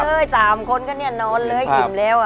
นอนเลยสามคนก็เนี่ยนอนเลยอิ่มแล้วอ่ะ